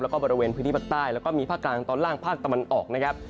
แล้วก็บริเวณพื้นที่ภาคใต้แล้วก็มีภาคกลางตอนล่างภาคตะวันออกนะครับ